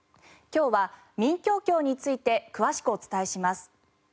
今日は民教協について詳しくお伝えします。